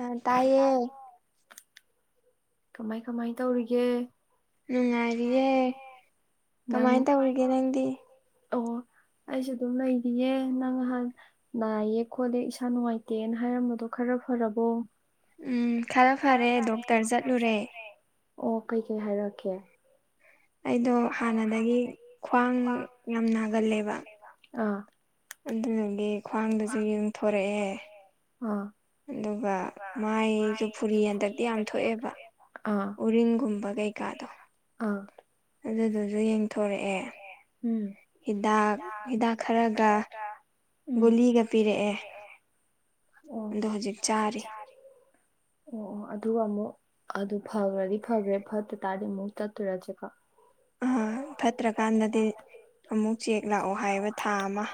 ꯑ ꯇꯥꯏꯌꯦ ꯀꯃꯥꯏ ꯀꯃꯥꯏ ꯇꯧꯔꯤꯒꯦ ꯅꯨꯡꯉꯥꯏꯔꯤꯌꯦ ꯅꯪ [inaudible] ꯑꯣ ꯑꯩꯁꯨ ꯑꯗꯨꯝ ꯂꯩꯔꯤꯌꯦ ꯅꯪ ꯉꯍꯥꯟ ꯅꯥꯏꯌꯦ ꯈꯣꯠꯂꯦ ꯏꯁꯥ ꯅꯨꯡꯉꯥꯏꯇꯦꯅ ꯍꯥꯏꯔꯝꯕꯗꯣ ꯈꯔ ꯐꯔꯕꯣ ꯎꯝ ꯈꯔ ꯐꯔꯦ ꯗꯣꯛꯇꯔ ꯆꯠꯂꯨꯔꯦ ꯑꯣ ꯀꯩꯀꯩ ꯍꯥꯏꯔꯛꯀꯦ ꯑꯩꯗꯣ ꯍꯥꯟꯅꯗꯒꯤ ꯈ꯭ꯋꯥꯡ ꯌꯥꯝ ꯅꯥꯒꯜꯂꯦꯕ ꯑꯥ ꯑꯗꯨꯗꯒꯤ ꯈ꯭ꯋꯥꯡꯗꯨꯁꯨ ꯌꯦꯡꯊꯣꯔꯛꯑꯦ ꯑꯗꯨꯒ ꯃꯥꯏꯁꯨ ꯐꯨꯔꯤ ꯍꯟꯗꯛꯇꯤ ꯌꯥꯝ ꯊꯣꯛꯑꯦꯕ ꯎꯔꯤꯡꯒꯨꯝꯕ ꯀꯩꯀꯥꯗꯣ ꯑꯥ ꯑꯗꯨꯗꯨꯁꯨ ꯌꯦꯡꯊꯣꯔꯛꯑꯦ ꯍꯤꯗꯥꯛ ꯍꯤꯗꯥꯛ ꯈꯔꯒ ꯒꯨꯂꯤꯒ ꯄꯤꯔꯛꯑꯦ ꯑꯗꯣ ꯍꯧꯖꯤꯛ ꯆꯥꯔꯤ ꯑꯣ ꯑꯣ ꯑꯗꯨꯒ ꯑꯃꯨꯛ ꯑꯗꯨ ꯐꯈ꯭ꯔꯗꯤ ꯐꯈ꯭ꯔꯦ ꯐꯠꯇ ꯇꯥꯔꯗꯤ ꯑꯃꯨꯛ ꯆꯠꯇꯨꯏꯔꯥ ꯆꯦꯀꯞ ꯑ ꯐꯠꯇ꯭ꯔꯀꯥꯟꯗꯗꯤ ꯑꯃꯨꯛ ꯆꯦꯛ ꯂꯥꯛꯑꯣ ꯍꯥꯏꯕ ꯊꯥ ꯑꯃ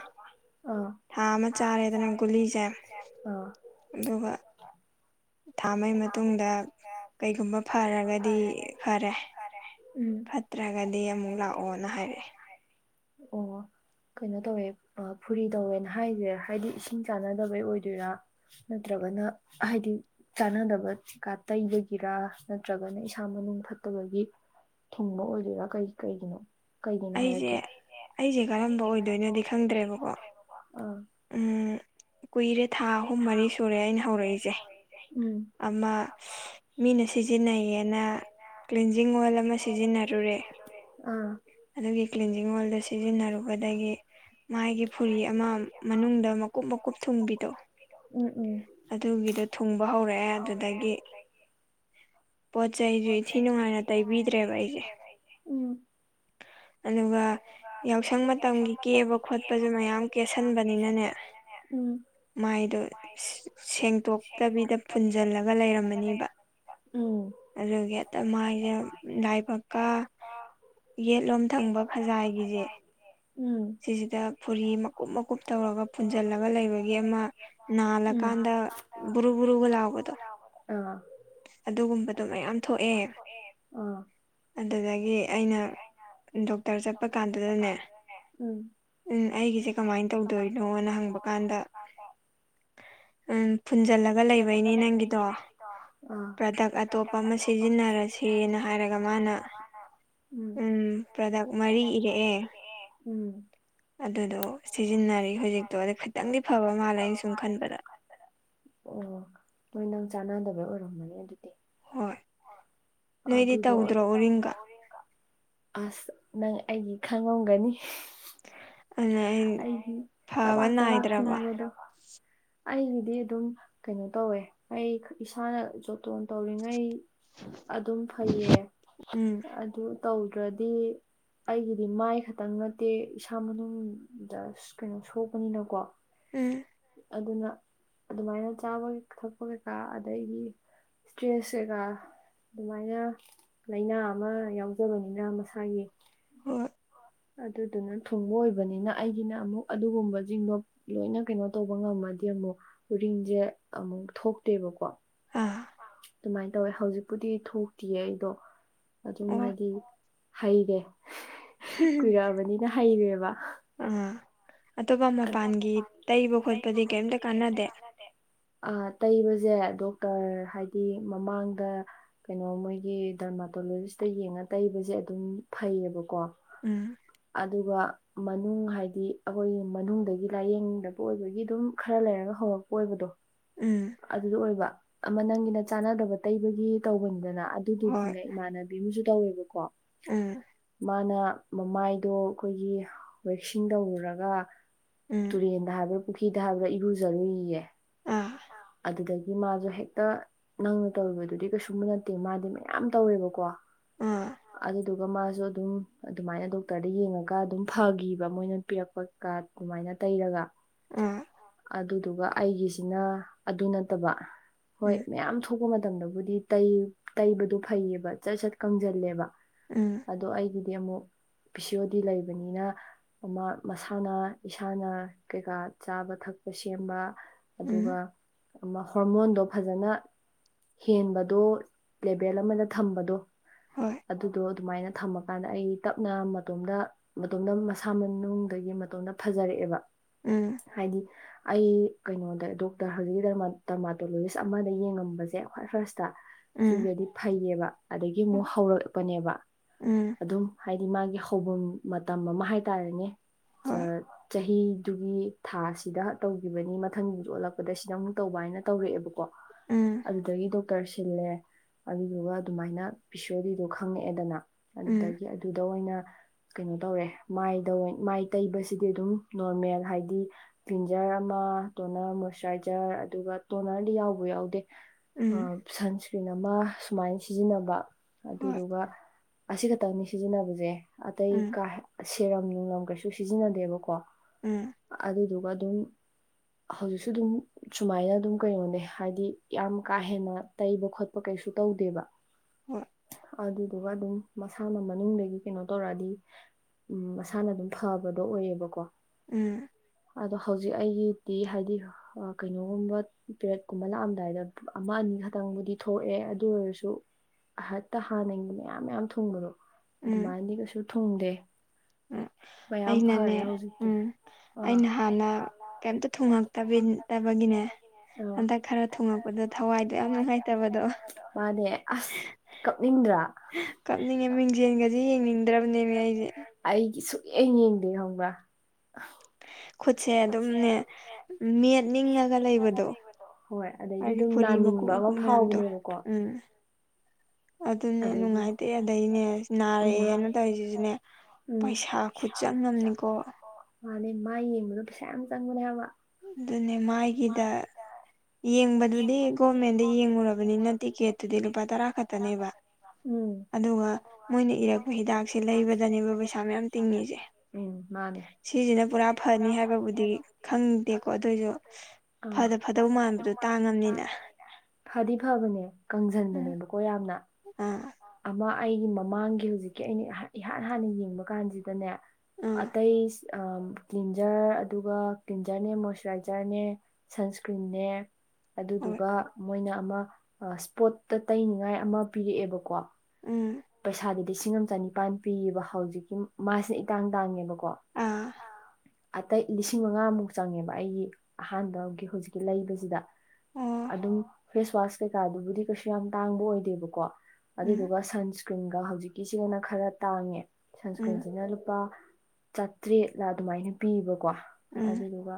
ꯊꯥ ꯑꯃ ꯆꯥꯔꯦꯗꯅ ꯒꯨꯂꯤꯁꯦ ꯑꯗꯨꯒ ꯊꯥꯃꯩ ꯃꯇꯨꯡꯗ ꯀꯩꯒꯨꯝꯕ ꯐꯔꯒꯗꯤ ꯐꯔꯦ ꯐꯠꯇ꯭ꯔꯒꯗꯤ ꯑꯃꯨꯛ ꯂꯥꯛꯑꯣꯅ ꯍꯥꯏꯔꯛꯑꯦ ꯑꯣ ꯀꯩꯅꯣ ꯇꯧꯋꯦ ꯑ ꯐꯨꯔꯤ ꯇꯧꯋꯦꯅ ꯍꯥꯏꯖꯦ ꯍꯥꯏꯗꯤ ꯏꯁꯤꯡ ꯆꯥꯟꯅꯗꯕꯩ ꯑꯣꯏꯗꯣꯏꯔꯥ ꯅꯠꯇ꯭ꯔꯒꯅ ꯍꯥꯏꯗꯤ ꯆꯥꯟꯅꯗꯕ ꯇꯤꯀꯥ ꯇꯩꯕꯒꯤꯔꯥ ꯅꯠꯇ꯭ꯔꯒꯅ ꯏꯁꯥ ꯃꯅꯨꯡ ꯐꯠꯇꯕꯒꯤ ꯊꯤꯡꯕ ꯑꯣꯏꯗꯣꯏꯔꯥ ꯀꯩ ꯀꯩꯒꯤꯅꯣ ꯑꯩꯖꯦ ꯑꯩꯖꯦ ꯀꯔꯝꯕ ꯑꯣꯏꯗꯣꯏꯅꯣꯗꯤ ꯈꯪꯗ꯭ꯔꯦꯕꯀꯣ ꯎꯝ ꯀꯨꯏꯔꯦ ꯊꯥ ꯑꯍꯨꯝ ꯃꯔꯤ ꯁꯨꯔꯦ ꯑꯩꯅ ꯍꯧꯔꯛꯏꯁꯦ ꯎꯝ ꯑꯃ ꯃꯤꯅ ꯁꯤꯖꯤꯟꯅꯩꯌꯦꯅ ꯀ꯭ꯂꯤꯟꯖꯤꯡ ꯑꯣꯏꯜ ꯑꯃ ꯁꯤꯖꯤꯟꯅꯔꯨꯔꯦ ꯑꯥ ꯑꯗꯨꯒꯤ ꯀ꯭ꯂꯤꯟꯖꯤꯡ ꯑꯣꯏꯜꯗꯣ ꯁꯤꯖꯤꯟꯅꯔꯨꯕꯗꯒꯤ ꯃꯥꯥꯏꯒꯤ ꯐꯨꯔꯤ ꯑꯃ ꯃꯅꯨꯡꯗ ꯃꯀꯨꯞ ꯃꯀꯨꯞ ꯊꯨꯡꯕꯤꯗꯣ ꯎꯝ ꯎꯝ ꯑꯗꯨꯒꯤꯗꯣ ꯊꯨꯡꯕ ꯍꯧꯔꯛꯑꯦ ꯑꯗꯨꯗꯒꯤ ꯄꯣꯠ ꯆꯩ ꯑꯩꯁꯨ ꯏꯊꯤ ꯅꯨꯡꯉꯥꯏꯅ ꯇꯩꯕꯤꯗ꯭ꯔꯦꯕ ꯑꯩꯁꯦ ꯎꯝ ꯑꯗꯨꯒ ꯌꯥꯎꯁꯪ ꯃꯇꯝꯒꯤ ꯀꯦꯕ ꯈꯣꯠꯄꯁꯨ ꯃꯌꯥꯝ ꯀꯦꯁꯟꯕꯅꯤꯅꯅꯦ ꯃꯥꯏꯗꯣ ꯁꯦꯡꯇꯣꯛꯇꯕꯤꯗ ꯐꯨꯟꯖꯜꯂꯒ ꯂꯩꯔꯝꯃꯅꯤꯕ ꯑꯗꯨꯒꯤ ꯍꯦꯠꯇ ꯃꯥꯏꯖꯦ ꯂꯥꯏꯕꯛꯀ ꯌꯦꯠꯂꯣꯝ ꯊꯪꯕ ꯈꯖꯥꯏꯒꯤꯁꯦ ꯁꯤꯁꯤꯗ ꯐꯨꯔꯤ ꯃꯀꯨꯞ ꯃꯀꯨꯞ ꯇꯧꯔꯒ ꯐꯨꯟꯖꯜꯂꯒ ꯂꯩꯕꯒꯤ ꯑꯃ ꯅꯥꯜꯂꯀꯥꯟꯗ ꯕꯨꯔꯨ ꯕꯨꯔꯨꯒ ꯂꯥꯎꯕꯗꯣ ꯑꯥ ꯑꯗꯨꯒꯨꯝꯕꯗꯣ ꯃꯌꯥꯝ ꯊꯣꯛꯑꯦ ꯑꯗꯨꯗꯒꯤ ꯑꯩꯅ ꯗꯣꯛꯇꯔ ꯆꯠꯄ ꯀꯥꯟꯗꯨꯗꯅꯦ ꯎꯝ ꯑꯩꯒꯤꯁꯦ ꯀꯃꯥꯏꯅ ꯇꯧꯗꯣꯏꯅꯣꯅ ꯍꯪꯕ ꯀꯥꯟꯗ ꯎ ꯐꯨꯟꯖꯜꯂꯒ ꯂꯩꯕꯩꯅꯦ ꯅꯪꯒꯤꯗꯣ ꯄ꯭ꯔꯗꯛ ꯑꯇꯣꯞꯄ ꯑꯃ ꯁꯤꯖꯤꯟꯅꯔꯁꯦꯅ ꯍꯥꯏꯔꯒ ꯃꯥꯅ ꯎꯝ ꯄ꯭ꯔꯗꯛ ꯃꯔꯤ ꯏꯔꯛꯑꯦ ꯎꯝ ꯑꯗꯨꯗꯣ ꯁꯤꯖꯤꯟꯅꯔꯤ ꯍꯧꯖꯤꯛꯇꯣ ꯑꯗꯨꯗ ꯈꯤꯇꯪꯗꯤ ꯐꯕ ꯃꯥꯜꯂꯦ ꯑꯩꯅ ꯁꯨꯝ ꯈꯟꯕꯗ ꯑꯣ ꯃꯣꯏ ꯅꯪ ꯆꯥꯟꯅꯗꯕ ꯑꯣꯏꯔꯝꯒꯅꯤ ꯑꯗꯨꯗꯤ ꯑꯗꯨꯗꯣ ꯑꯁ ꯅꯪ ꯑꯩꯒꯤ ꯈꯪꯉꯝꯒꯅꯤ ꯑꯩ ꯆꯕꯥꯛ ꯆꯕꯥꯥꯛ ꯁꯨꯅꯒꯦꯕꯅ‌ꯦ ꯑꯩꯒꯤꯗꯤ ꯑꯗꯨꯝ ꯀꯩꯅꯣ ꯇꯧꯋꯦ ꯑꯩ ꯏꯁꯥꯅ ꯖꯣꯇꯣꯟ ꯇꯧꯔꯤꯉꯩ ꯑꯗꯨꯝ ꯐꯩꯌꯦ ꯎꯝ ꯑꯗꯨ ꯇꯧꯗ꯭ꯔꯗꯤ ꯑꯩꯒꯤꯗꯤ ꯃꯥꯏ ꯈꯛꯇꯪ ꯅꯠꯇꯦ ꯏꯁꯥ ꯃꯅꯨꯡꯗ ꯀꯔꯤꯅꯣ ꯁꯣꯛꯄꯅꯤꯅꯀꯣ ꯎꯝ ꯑꯗꯨꯅ ꯑꯗꯨꯃꯥꯏꯅ ꯆꯥꯕ ꯊꯛꯄ ꯀꯩꯀꯥ ꯑꯗꯩꯗꯤ ꯏꯁꯇ꯭ꯔꯦꯁ ꯀꯒ ꯑꯗꯨꯃꯥꯏꯅ ꯂꯥꯏꯅꯥ ꯑꯃ ꯌꯥꯎꯖꯕꯅꯤꯅ ꯃꯁꯥꯒꯤ ꯍꯣꯏ ꯑꯗꯨꯗꯨꯅ ꯊꯨꯡꯕ ꯑꯣꯏꯕꯅꯤꯅ ꯑꯩꯒꯤꯅ ꯑꯃꯨꯛ ꯑꯗꯨꯒꯨꯝꯕꯁꯤꯡꯗꯣ ꯂꯣꯏꯅ ꯀꯩꯅꯣ ꯇꯧꯕ ꯉꯝꯃꯗꯤ ꯑꯃꯨꯛ ꯎꯔꯤꯡꯁꯦ ꯑꯃꯨꯛ ꯊꯣꯛꯇꯦꯕꯀꯣ ꯎꯝ ꯑꯗꯨꯃꯥꯏꯅ ꯇꯧꯋꯦ ꯍꯧꯖꯤꯛꯄꯨꯗꯤ ꯊꯣꯛꯇ꯭ꯌꯦ ꯑꯩꯗꯣ ꯑꯗꯨꯝ ꯍꯥꯏꯗꯤ ꯍꯩꯔꯦ ꯀꯨꯏꯔꯛꯑꯕꯅꯤꯅ ꯍꯩꯔꯦꯕ ꯑꯥ ꯑꯇꯣꯞꯄ ꯃꯄꯥꯟꯒꯤ ꯇꯩꯕ ꯈꯣꯠꯄꯗꯤ ꯀꯔꯤꯝꯇ ꯀꯥꯟꯅꯗꯦ ꯑ ꯇꯩꯕꯁꯦ ꯗꯣꯛꯇꯔ ꯍꯥꯏꯗꯤ ꯃꯃꯥꯡꯗ ꯀꯩꯅꯣ ꯃꯣꯏꯒꯤ ꯗꯔꯃꯥꯇꯣꯂꯣꯖꯤꯁꯇ ꯌꯦꯡꯉ ꯇꯩꯕꯁꯦ ꯑꯗꯨꯝ ꯐꯩꯌꯦꯕꯀꯣ ꯎꯝ ꯑꯗꯨꯒ ꯃꯅꯨꯡ ꯍꯥꯏꯗꯤ ꯑꯩꯈꯣꯏꯒꯤ ꯃꯅꯨꯡꯗꯒꯤ ꯂꯥꯏꯌꯦꯡꯗꯕ ꯑꯣꯏꯕꯒꯤ ꯑꯗꯨꯝ ꯈꯔ ꯂꯩꯔꯒ ꯍꯉꯛꯄ ꯑꯣꯏꯕꯗꯣ ꯎꯝ ꯑꯗꯨꯗ ꯑꯣꯏꯕ ꯑꯃ ꯅꯪꯒꯤꯅ ꯆꯥꯟꯅꯗꯕ ꯇꯩꯕꯒꯤ ꯇꯧꯕꯅꯤꯗꯅ ꯑꯗꯨꯗꯨꯗꯤꯅꯦ ꯏꯃꯥꯟꯅꯕꯤ ꯑꯃꯁꯨ ꯇꯧꯋꯦꯕꯀꯣ ꯎꯝ ꯃꯥꯅ ꯃꯃꯥꯏꯗꯣ ꯑꯩꯈꯣꯏꯒꯤ ꯋꯦꯛꯁꯤꯡ ꯇꯧꯔꯨꯔꯒ ꯄꯦꯟꯗ ꯍꯥꯏꯕ꯭ꯔꯥ ꯄꯨ꯭ꯔꯤꯗ ꯍꯥꯏꯕ꯭ꯔꯥ ꯏꯔꯨꯖꯔꯨꯏꯌꯦ ꯑꯥ ꯑꯗꯨꯗꯒꯤ ꯃꯥꯁꯨ ꯍꯦꯛꯇ ꯅꯪꯅ ꯇꯧꯔꯤꯕꯗꯨꯗꯤ ꯀꯩꯁꯨꯝꯕ ꯅꯠꯇꯦ ꯃꯥꯗꯤ ꯃꯌꯥꯝ ꯇꯧꯋꯦꯕꯀꯣ ꯑꯗꯨ ꯑꯗꯨꯒ ꯃꯥꯁꯨ ꯑꯗꯨꯝ ꯑꯗꯨꯃꯥꯏꯅ ꯗꯣꯛꯇꯔꯗ ꯌꯦꯡꯉꯒ ꯑꯗꯨꯝ ꯐꯈꯤꯕ ꯃꯣꯏꯅ ꯄꯤꯔꯛꯄ ꯀꯥꯔꯠ ꯀꯃꯥꯏꯅ ꯇꯩꯔꯒ ꯎꯝ ꯑꯗꯨꯗꯨꯒ ꯑꯩꯒꯤꯁꯤꯅ ꯑꯗꯨ ꯅꯠꯇꯕ ꯍꯣꯏ ꯃꯌꯥꯝ ꯊꯣꯛ ꯊꯣꯛꯄ ꯃꯇꯝꯗꯕꯨꯗꯤ ꯇ ꯇꯩꯕꯗꯣ ꯐꯩꯌꯦꯕ ꯁꯠ ꯁꯠ ꯀꯪꯁꯤꯜꯂꯦꯕ ꯎꯝ ꯑꯗꯣ ꯑꯩꯒꯤꯗꯤ ꯑꯃꯨꯛ ꯄꯤꯁꯤ ꯑꯣꯗꯤ ꯂꯩꯕꯅꯤꯅ ꯃꯁꯥꯅ ꯏꯁꯥꯅ ꯀꯩꯀꯥ ꯆꯥꯕ ꯊꯛꯄ ꯁꯦꯝꯕ ꯑꯗꯨꯒ ꯍꯣꯔꯃꯣꯟꯗꯣ ꯐꯖꯅ ꯍꯦꯟꯕꯗꯣ ꯂꯦꯚꯦꯜ ꯑꯃꯗ ꯊꯝꯕꯗꯣ ꯑꯗꯨꯗꯣ ꯑꯗꯨꯃꯥꯏꯅ ꯊꯝꯃꯀꯥꯟꯗ ꯑꯩ ꯇꯞꯅ ꯃꯇꯣꯝꯗ ꯃꯇꯣꯝꯇ ꯃꯁꯥꯃꯅꯨꯡꯗꯒꯤ ꯃꯇꯣꯝꯇ ꯐꯖꯔꯛꯑꯦꯕ ꯎꯝ ꯍꯥꯏꯗꯤ ꯑꯩ ꯀꯩꯅꯣꯗ ꯗꯣꯛꯇꯔ ꯍꯧꯖꯤꯛꯀꯤ ꯗꯔꯃꯥꯇꯣꯂꯣꯖꯤꯁ ꯑꯃꯗ ꯌꯦꯡꯉꯝꯕꯁꯦ ꯈ꯭ꯋꯥꯏ ꯐꯥꯔꯁꯇ ꯁꯤꯗꯗꯤ ꯐꯩꯌꯦꯕ ꯑꯗꯒꯤ ꯑꯃꯨꯛ ꯍꯧꯔꯛꯄꯅꯦꯕ ꯑꯗꯨꯝ ꯍꯥꯏꯗꯤ ꯃꯥꯒꯤ ꯍꯧꯕꯐꯝ ꯃꯇꯝ ꯑꯃ ꯍꯥꯏꯇꯥꯔꯦꯅꯦ ꯆꯍꯤ ꯑꯗꯨꯒꯤ ꯊꯥꯁꯤꯗ ꯇꯧꯈꯤꯕꯅꯤ ꯃꯊꯪꯒꯤꯁꯨ ꯑꯣꯜꯂꯛꯄꯗ ꯁꯤꯗ ꯑꯃꯨꯛ ꯇꯧꯕ ꯍꯥꯏꯅ ꯇꯧꯔꯛꯑꯦꯕꯀꯣ ꯑꯗ ꯏ ꯗꯣꯛꯇꯔ ꯁꯤꯜꯂꯦ ꯑꯗꯨꯗꯨꯒ ꯑꯗꯨꯃꯥꯏꯅ ꯄꯤꯁꯣꯗꯤꯗꯣ ꯈꯪꯉꯛꯑꯦꯗꯅ ꯑꯗꯨꯗꯒꯤ ꯑꯗꯨꯗ ꯑꯣꯏꯅ ꯀꯩꯅꯣ ꯇꯧꯔꯦ ꯃꯥꯏꯗ ꯃꯥꯏ ꯇꯩꯕꯁꯤꯗꯤ ꯑꯗꯨꯝ ꯅꯣꯔꯃꯦꯜ ꯍꯥꯏꯗꯤ ꯇꯤꯟꯖꯔ ꯑꯃ ꯇꯣꯅꯔ ꯃꯣꯏꯆꯔꯥꯏꯖꯔ ꯑꯗꯨꯒ ꯇꯣꯅꯔꯗꯤ ꯌꯥꯎꯕ ꯌꯥꯎꯗꯦ ꯁꯟꯁ ꯐꯀ꯭ꯔꯤꯟ ꯑꯃ ꯁꯨꯃꯥꯏꯅ ꯁꯤꯖꯤꯟꯅꯕ ꯑꯗꯨꯗꯨꯒ ꯑꯁꯤꯈꯛꯇꯪꯅꯤ ꯁꯤꯖꯤꯟꯅꯕꯁꯦ ꯑꯇꯩ ꯀ ꯁꯦꯔꯝ ꯅꯨꯡꯅꯝ ꯀꯩꯁꯨ ꯁꯤꯖꯤꯟꯅꯗꯦꯕꯀꯣ ꯎꯝ ꯑꯗꯨꯗꯨꯒ ꯑꯗꯨꯝ ꯍꯧꯖꯤꯛꯁꯨ ꯑꯗꯨꯝ ꯁꯨꯃꯥꯏꯅ ꯑꯗꯨꯝ ꯀꯩꯅꯣꯅꯦ ꯍꯥꯏꯗꯤ ꯌꯥꯝ ꯀꯥ ꯍꯦꯟꯅ ꯇꯩꯕ ꯈꯣꯠꯄ ꯀꯩꯁꯨ ꯇꯧꯗꯦꯕ ꯍꯣꯏ ꯑꯗꯨꯗꯨꯒ ꯑꯗꯨꯝ ꯃꯁꯥꯅ ꯃꯅꯨꯡꯗꯒꯤ ꯀꯩꯅꯣ ꯇꯧꯔꯛꯑꯗꯤ ꯎꯝ ꯃꯁꯥꯅ ꯑꯗꯨꯝ ꯐꯕꯗꯣ ꯑꯣꯏꯌꯦꯕꯀꯣ ꯎꯝ ꯑꯗꯣ ꯍꯧꯖꯤꯛ ꯑꯩꯒꯤꯗꯤ ꯍꯥꯏꯗꯤ ꯀꯩꯅꯣꯒꯨꯝꯕ ꯄꯦꯔꯦꯠ ꯀꯨꯝꯕ ꯂꯥꯛꯑꯝꯗꯥꯏꯗ ꯑꯃ ꯑꯅꯤ ꯈꯛꯇꯪꯕꯨꯗꯤ ꯊꯣꯛꯑꯦ ꯑꯗꯨ ꯑꯣꯏꯔꯁꯨ ꯑꯍꯠꯇ ꯍꯥꯟꯅꯅꯤꯡꯕ ꯃꯌꯥꯝ ꯃꯌꯥꯝ ꯊꯨꯡꯕꯗꯣ ꯑꯗꯨꯃꯥꯏꯅꯗꯤ ꯀꯩꯁꯨ ꯊꯨꯡꯗꯦ ꯃꯌꯥꯝ ꯐꯔꯦ ꯍꯧꯖꯤꯛꯇꯤ ꯑꯥ ꯍꯅ ꯀꯩꯝꯇ ꯊꯨꯡꯉꯛꯇꯕꯤꯗꯕꯒꯤꯅꯦ ꯍꯟꯗꯛ ꯈꯔ ꯊꯨꯡꯉꯛꯄꯗ ꯊꯋꯥꯏꯗꯣ ꯌꯥꯝ ꯅꯨꯡꯉꯥꯏꯇꯕꯗꯣ ꯃꯥꯅꯦ ꯀꯞꯅꯤꯡꯉꯦ ꯃꯤꯡꯁꯦꯟꯒꯁꯦ ꯌꯦꯡꯅꯤꯡꯗ꯭ꯔꯕꯅꯦꯃꯤ ꯑꯩꯁꯦ ꯑꯩꯒꯤ ꯁꯨꯛꯌꯦꯡ ꯌꯦꯡꯗꯦ ꯈꯪꯕ꯭ꯔꯥ ꯈꯨꯠꯁꯦ ꯑꯗꯨꯝꯅꯦ ꯃꯦꯠꯅꯤꯡꯉꯒ ꯂꯩꯕꯗꯣ ꯍꯥꯏꯗꯤ ꯐꯨꯔꯤ ꯃꯀꯨꯞ ꯃꯀꯨꯞ ꯃꯌꯥꯝꯗꯣ ꯎꯝ ꯑꯗꯨꯅꯦ ꯅꯨꯡꯉꯥꯏꯇꯦ ꯑꯗꯩꯅꯦ ꯅꯥꯔꯛꯑꯦꯅ ꯇꯧꯔꯤꯁꯤꯁꯨꯅꯦ ꯄꯩꯁꯥ ꯈꯨꯠ ꯆꯪꯉꯝꯅꯤꯀꯣ ꯃꯥꯥꯟꯅꯦꯩ ꯃꯥ ꯌꯦꯡꯕꯗꯣ ꯄꯩꯁꯥ ꯌꯥꯝ ꯆꯪꯕꯅꯦ ꯍꯥꯏꯕ ꯑꯗꯨꯅꯦ ꯃꯥꯥꯏꯒꯤꯗ ꯌꯦꯡꯕ ꯌꯦꯡꯕꯗꯨꯗꯤ ꯒꯣꯔꯃꯦꯟꯗ ꯌꯦꯡꯉꯨꯔꯕꯅꯤꯅ ꯇꯤꯀꯦꯠꯇꯨꯗꯤ ꯂꯨꯄꯥ ꯇꯔꯥ ꯈꯛꯇꯅꯦꯕ ꯎꯝ ꯑꯗꯨꯒ ꯃꯣꯏꯅ ꯏꯔꯛꯄ ꯍꯤꯗꯥꯛꯁꯦ ꯂꯩꯕꯗꯅꯦꯕ ꯄꯩꯁꯥ ꯃꯌꯥꯝ ꯇꯤꯡꯉꯤꯁꯦ ꯎꯝ ꯃꯥꯅꯦ ꯁꯤꯁꯤꯅ ꯄꯨꯔꯥ ꯐꯅꯤ ꯍꯥꯏꯕꯕꯨꯗꯤ ꯈꯪ ꯗꯦꯀꯣ ꯑꯗꯨꯑꯣꯏꯁꯨ ꯐꯗ ꯐꯗꯕ ꯃꯥꯟꯕꯗꯣ ꯇꯥꯡꯉꯕꯅꯤꯅ ꯐꯗꯤ ꯐꯕꯅꯦ ꯀꯪꯁꯤꯟꯕꯅꯦꯕꯀꯣ ꯌꯥꯝꯅ ꯑꯃ ꯑꯩꯒꯤ ꯃꯃꯥꯡꯒꯤ ꯍꯧꯖꯤꯛꯀꯤ ꯑꯩꯅ ꯏꯍꯥꯟ ꯍꯥꯟꯅ ꯌꯦꯡꯕ ꯀꯥꯟꯁꯤꯗꯅꯦ ꯑꯇ ꯏ ꯀ꯭ꯂꯤꯟꯖꯔ ꯑꯗꯨꯒ ꯀ꯭ꯂꯤꯟꯖꯔꯅꯦ ꯃꯣꯏꯆꯔꯥꯏꯖꯔꯅꯦ ꯁꯟꯁ꯭ꯀ꯭ꯔꯤꯟꯅꯦ ꯑꯗꯨꯗꯨꯒ ꯃꯣꯏꯅ ꯑꯃ ꯏꯁꯄꯣꯠꯇ ꯇꯩꯅꯤꯡꯉꯥꯏ ꯑꯃ ꯄꯤꯔꯛꯑꯦꯕꯀꯣ ꯎꯝ ꯄꯩꯁꯥꯗꯤ ꯂꯤꯁꯤꯡ ꯑꯃ ꯆꯅꯤꯄꯥꯟ ꯄꯤꯌꯦꯕ ꯍꯧꯖꯤꯛꯀꯤ ꯃꯥꯁꯤꯅ ꯏꯇꯥꯡ ꯇꯥꯡꯉꯦꯕꯀꯣ ꯀꯣ ꯑꯇꯩ ꯂꯤꯁꯤꯡ ꯃꯉꯥꯃꯨꯛ ꯆꯪꯉꯦꯕ ꯑꯩꯒꯤ ꯑꯍꯥꯟꯕꯒꯤ ꯍꯧꯖꯤꯛꯀꯤ ꯂꯩꯕꯁꯤꯗ ꯑꯗꯨꯝ ꯐꯦꯁ ꯋꯥꯁ ꯀꯩꯀꯥꯗꯨꯕꯨꯗꯤ ꯀꯩꯁꯨ ꯌꯥꯝ ꯇꯥꯡꯕ ꯑꯣꯏꯗꯦꯕꯀꯣ ꯑꯗꯨꯗꯨꯒ ꯁꯟꯁꯀ꯭ꯔꯤꯟꯒ ꯍꯧꯖꯤꯛꯀꯤꯁꯤꯒꯅ ꯈꯔ ꯇꯥꯡꯉꯦ ꯁꯟꯁꯀ꯭ꯔꯤꯟꯁꯤꯅ ꯂꯨꯄꯥ ꯆꯥꯇ꯭ꯔꯦꯠꯂ ꯑꯗꯨꯃꯥꯏꯅ ꯄꯤꯕꯀꯣ ꯑꯗꯨꯗꯨꯒ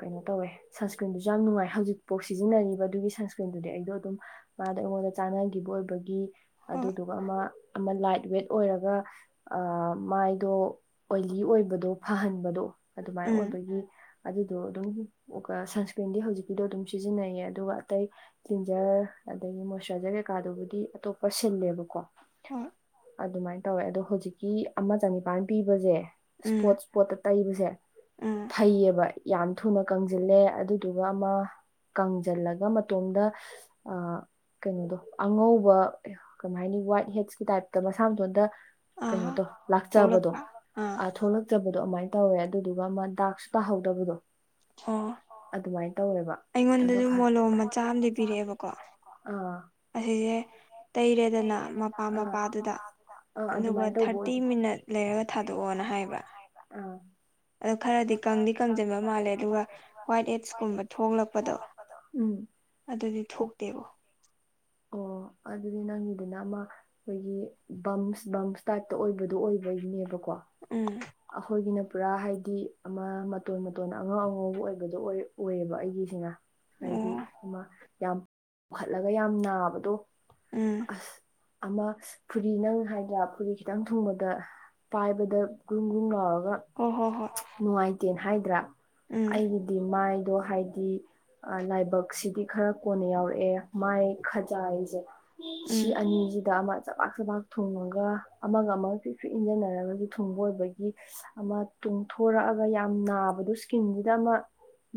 ꯀꯩꯅꯣ ꯇꯧꯋꯦ ꯁꯟꯁꯀ꯭ꯔꯤꯟꯗꯨꯁꯨ ꯌꯥꯝ ꯅꯨꯡꯉꯥꯏ ꯍꯧꯖꯤꯛꯐꯥꯎ ꯁꯤꯖꯤꯟꯅꯔꯤꯕ ꯑꯗꯨꯒꯤ ꯁꯟꯁꯀ꯭ꯔꯤꯟꯗꯨꯗꯤ ꯑꯩꯗꯣ ꯑꯗꯨꯝ ꯃꯥꯗ ꯑꯩꯉꯣꯟꯗ ꯆꯥꯟꯅꯈꯤꯕ ꯑꯣꯏꯕꯒꯤ ꯑꯗꯨꯗꯨꯒ ꯑꯃ ꯑꯃ ꯂꯥꯏꯠ ꯋꯦꯠ ꯑꯣꯏꯔꯒ ꯑ ꯃꯥꯏꯗꯣ ꯑꯣꯏꯂꯤ ꯑꯣꯏꯕꯗꯣ ꯐꯍꯟꯕꯗꯣ ꯑꯗꯨꯃꯥꯏꯅ ꯑꯣꯏꯕꯒꯤ ꯑꯗꯨꯗꯣ ꯑꯗꯨꯝ ꯁꯟꯁꯀ꯭ꯔꯤꯟꯗꯤ ꯍꯧꯖꯤꯛꯀꯤꯗꯣ ꯑꯗꯨꯝ ꯁꯤꯖꯤꯟꯅꯩꯌꯦ ꯑꯗꯨꯒ ꯑꯇꯩ ꯀ꯭ꯂꯤꯟꯖꯔ ꯑꯗꯒꯤ ꯃꯣꯏꯔꯥꯏꯖꯔ ꯀꯩꯀꯥꯗꯨꯕꯨꯗꯤ ꯑꯇꯣꯞꯄ ꯁꯤꯜꯂꯦꯕꯀꯣ ꯍꯣꯏ ꯑꯗꯨꯃꯥꯏꯅ ꯇꯧꯋꯦ ꯑꯗꯣ ꯍꯧꯖꯤꯛꯀꯤ ꯑꯃ ꯆꯅꯤꯄꯥꯟ ꯄꯤꯕꯁꯦ ꯁ꯭ꯄꯣꯔꯠ ꯏꯁ꯭ꯄꯣꯠꯇ ꯇꯩꯕꯁꯦ ꯐꯩꯌꯦꯕ ꯌꯥꯝ ꯊꯨꯅ ꯀꯪꯁꯤꯜꯂꯦ ꯑꯗꯨꯗꯨꯒ ꯑꯃ ꯀꯪꯁꯤꯜꯂꯒ ꯃꯇꯣꯝꯗ ꯀꯩꯅꯣꯗꯣ ꯑꯉꯧꯕ ꯀꯃꯥꯏꯅꯤ ꯋꯥꯏꯠ ꯍꯦꯠꯁꯀꯤ ꯇꯥꯏꯞꯇ ꯃꯁꯥ ꯃꯊꯣꯟꯗ ꯀꯩꯅꯣ ꯇꯣ ꯂꯥꯛꯆꯕꯗꯣ ꯊꯣꯛ ꯇꯕꯗꯣ ꯑꯗꯨꯃꯥꯏꯅ ꯇꯧꯋꯦ ꯑꯗꯨꯗꯨꯒ ꯑꯃ ꯗꯥꯛꯁꯨ ꯇꯥꯍꯧꯗꯕꯗꯣ ꯑꯣ ꯑꯗꯨꯃꯥꯏꯅ ꯇꯧꯋꯦꯕ ꯑꯩꯉꯣꯟꯗꯁꯨ ꯃꯣꯂꯣꯝ ꯃꯆꯥ ꯑꯃ ꯂꯩꯕꯤꯔꯛꯑꯦꯕꯀꯣ ꯑꯁꯤꯁꯦ ꯇꯩꯔꯦꯗꯅ ꯃꯄꯥ ꯃꯄꯥꯗꯨꯗ ꯑꯗꯨꯒ ꯊꯥꯔꯇꯤ ꯃꯤꯅꯠ ꯂꯩꯔꯒ ꯊꯥꯗꯣꯛꯑꯣꯅ ꯍꯥꯏꯕ ꯑ ꯑꯗꯣ ꯈꯔꯗꯤ ꯀꯪꯗꯤ ꯀꯪꯁꯤꯟꯕ ꯃꯥꯜꯂꯦ ꯑꯗꯨꯒ ꯋꯥ꯭ꯏꯠ ꯑꯦꯠꯁꯀꯨꯝꯕ ꯊꯣꯡꯂꯛꯄꯗꯣ ꯑꯗꯨꯗꯤ ꯊꯣꯛꯇꯦꯕꯣ ꯑꯣ ꯑꯗꯨ ꯑꯗꯨꯗꯤ ꯅꯪꯒꯤꯗꯨꯅ ꯑꯃ ꯑꯩꯈꯣꯏꯒꯤ ꯕꯝꯁ ꯕꯝꯁ ꯇꯥꯏꯞꯇ ꯑꯣꯏꯕꯗꯣ ꯑꯣꯏꯕꯒꯤꯅꯦꯕꯀꯣ ꯎꯝ ꯑꯩꯈꯣꯏꯒꯤꯅ ꯄꯨꯔꯥ ꯍꯥꯏꯗꯤ ꯑꯃ ꯃꯇꯣꯟ ꯃꯇꯣꯟ ꯑꯉꯧ ꯑꯉꯧꯕ ꯑꯣꯏꯕꯗꯣ ꯑꯣꯏ ꯑꯣꯏꯌꯦꯕ ꯑꯩꯒꯤꯁꯤꯅ ꯍꯥꯏꯗꯤ ꯌꯥꯝ ꯄꯨꯈꯠꯂꯒ ꯌꯥꯝ ꯅꯥꯕꯗꯣ ꯎꯝ ꯑꯁ ꯑꯃ ꯐꯨꯔꯤ ꯅꯪ ꯍꯥꯏꯒꯔꯥ ꯐꯨꯔꯤ ꯈꯤꯇꯪ ꯊꯨꯡꯕꯗ ꯄꯥꯏꯕꯗ ꯒ꯭ꯔꯨꯝ ꯒ꯭ꯔꯨꯝ ꯂꯥꯎꯔꯒ ꯍꯣ ꯍꯣ ꯍꯣꯏ ꯇꯦꯟ ꯍꯥꯏꯗ꯭ꯔꯥ ꯑꯩꯒꯤꯗꯤ ꯃꯥꯏꯗꯣ ꯍꯥꯏꯗꯤ ꯂꯥꯏꯕꯛꯁꯤꯗꯤ ꯈꯔ ꯀꯣꯟꯅ ꯌꯥꯎꯔꯛꯑꯦ ꯃꯥꯏ ꯈꯖꯥꯏꯁꯦ ꯁꯤ ꯑꯅꯤꯁꯤꯗ ꯑꯃ ꯆꯕꯥꯛ ꯆꯕꯥꯛ ꯊꯨꯡꯉꯒ ꯑꯃꯒ ꯑꯃꯒ ꯀꯩꯁꯨ ꯏꯟꯖꯟꯅꯔꯒꯁꯨ ꯊꯨꯡꯕ ꯑꯣꯏꯕꯒꯤ ꯑꯃ ꯇꯨꯡꯊꯣꯔꯛꯑꯒ ꯌꯥꯝ ꯅꯥꯕꯗꯨꯣ ꯏꯁꯀꯤꯟꯗꯨꯗ ꯑꯃ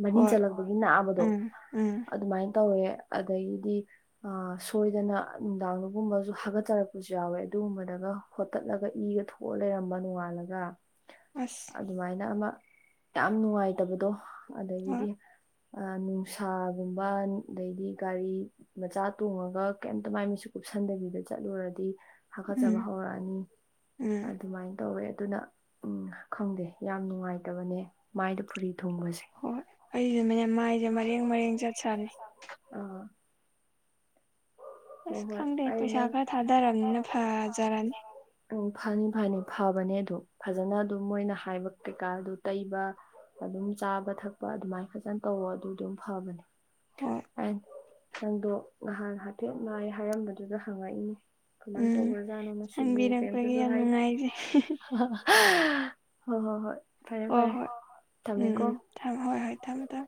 ꯃꯔꯤꯡ ꯆꯜꯂꯛꯄꯒꯤ ꯅꯥꯕꯗꯣ ꯑꯗꯨꯃꯥꯏꯅ ꯇꯧꯋꯦ ꯑꯗꯒꯤꯗꯤ ꯁꯣꯏꯗꯅ ꯅꯨꯡꯗꯥꯡꯗꯨꯒꯨꯝꯕꯁꯨ ꯍꯥꯒꯠꯆꯔꯛꯄꯁꯨ ꯌꯥꯎꯋꯦ ꯑꯗꯨꯒꯨꯝꯕꯗꯒ ꯍꯣꯠꯇꯠꯂꯒ ꯏꯒ ꯊꯣꯛꯑ ꯂꯩꯔꯝꯕ ꯅꯣꯡꯉꯥꯜꯂꯒ [inaudible] ꯑꯁ ꯑꯗꯨꯃꯥꯏꯅ ꯑꯃ ꯌꯥꯝ ꯅꯨꯡꯉꯥꯏꯇꯕꯗꯣ ꯑꯗꯒꯤꯗꯤ ꯅꯨꯡꯁꯥꯒꯨꯝꯕ ꯑꯗꯩꯗꯤ ꯒꯥꯔꯤ ꯃꯆꯥ ꯇꯣꯡꯉꯒ ꯀ ꯑꯗꯨꯃꯥꯏꯅ ꯃꯤꯁꯨ ꯀꯨꯞꯁꯟꯗꯕꯤꯗ ꯆꯠꯂꯨꯔꯗꯤ ꯍꯥꯀꯠꯆꯕ ꯍꯧꯔꯛꯑꯅꯤ ꯑꯗꯨꯃꯥꯏꯅ ꯇꯧꯋꯦ ꯑꯗꯨꯅ ꯎꯝ ꯈꯪꯗꯦ ꯌꯥꯝ ꯅꯨꯡꯉꯥꯏꯇꯕꯅꯦ ꯃꯥꯏꯗ ꯐꯨꯔꯤ ꯊꯨꯡꯕꯁꯦ ꯍꯣꯏ ꯑꯩꯁꯦ ꯃꯅꯦ ꯃꯥꯏꯁꯦ ꯃꯔꯦꯡ ꯃꯔꯦꯡ ꯆꯠ ꯁꯥꯅꯤ ꯑꯁ ꯈꯪꯗꯦ ꯄꯩꯁꯥ ꯈꯔ ꯊꯥꯗꯔꯕꯅꯤꯅ ꯐꯖꯔꯅꯤ ꯎꯝ ꯐꯅꯤ ꯐꯅꯤ ꯐꯕꯅꯦ ꯑꯗꯨ ꯐꯖꯅ ꯑꯗꯨꯝ ꯃꯣꯏꯅ ꯍꯥꯏꯕ ꯀꯩꯀꯥ ꯑꯗꯨ ꯇꯩꯕ ꯑꯗꯨꯝ ꯆꯥꯕ ꯊꯛꯄ ꯑꯗꯨꯃꯥꯏꯅ ꯐꯖꯅ ꯇꯧꯕꯔ ꯑꯗꯨ ꯑꯗꯨꯝ ꯐꯕꯅꯦ ꯍꯣꯏ ꯑꯩ ꯅꯪꯗꯣ ꯅꯍꯥꯟ ꯍꯥꯏꯐꯦꯠ ꯅꯥꯏ ꯍꯥꯏꯔꯝꯕꯗꯨꯗ ꯍꯪꯉꯛꯏꯅꯦ ꯀꯃꯥꯏ ꯇꯧꯒꯔꯥꯖꯥꯠꯅꯣ ꯃꯁꯤꯕꯨ ꯀꯩꯝꯇꯁꯨ ꯍꯥꯏ ꯍꯣꯏ ꯍꯣꯏ ꯍꯣꯏ ꯐꯔꯦ ꯐꯔꯦ ꯊꯝꯃꯦꯀꯣ ꯊꯝꯃꯣ ꯍꯣꯏ ꯍꯣꯏ ꯊꯝꯃꯦ ꯊꯝꯃꯦ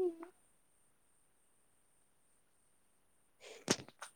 ꯎꯝ [inaudible]